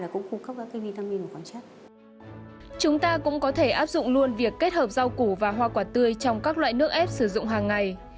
chúng ta cũng có thể áp dụng luôn việc kết hợp rau củ và hoa quả tươi trong các loại nước ép sử dụng hàng ngày